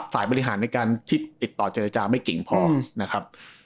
ฝ่ายบริหารในการที่ติดต่อเจรจาไม่เก่งพอนะครับ